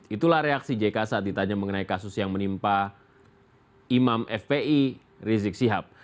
itulah reaksi jk saat ditanya mengenai kasus yang menimpa imam fpi rizik sihab